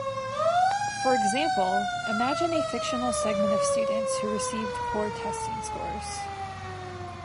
For example, imagine a fictional segment of students who received poor testing scores.